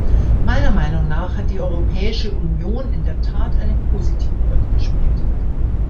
Meiner Meinung nach hat die Europäische Union in der Tat eine positive Rolle gespielt.